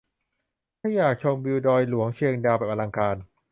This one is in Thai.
ถ้าอยากชมวิวดอยหลวงเชียงดาวแบบอลังการ